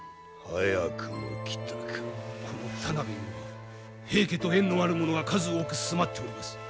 この田辺には平家と縁のある者が数多く住まっております。